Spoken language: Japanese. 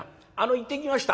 「行ってきました」。